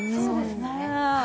そうですね。